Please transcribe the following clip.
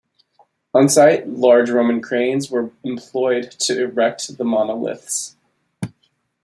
On site, large Roman cranes were employed to erect the monoliths.